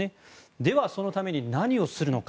では、そのために何をするのか。